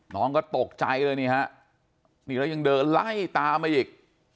น้องก็ตกใจเลยนี่ฮะนี่แล้วยังเดินไล่ตามมาอีก